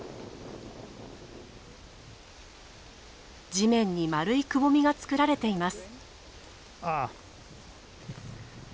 地面に丸いくぼみが作られています。